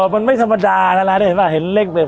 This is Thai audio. มันไม่ธรรมดานั่นร้านนี่เห็นพอเห็นเลขเด็มอ่อ